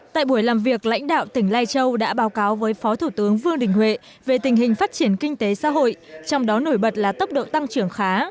tại buổi làm việc lãnh đạo tỉnh lai châu đã báo cáo với phó thủ tướng vương đình huệ về tình hình phát triển kinh tế xã hội trong đó nổi bật là tốc độ tăng trưởng khá